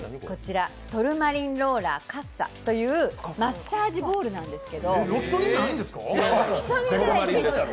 トルマリンローラーかっさというマッサージボールなんですけど。